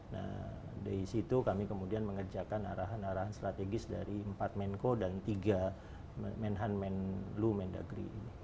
nah dari situ kami kemudian mengerjakan arahan arahan strategis dari empat menko dan tiga menhan menlu mendagri ini